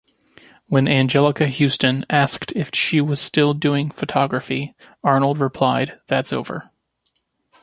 When Anjelica Huston asked if she was still doing photography, Arnold replied: That's over.